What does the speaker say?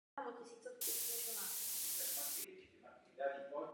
Mezi jeho koníčky patřil sport.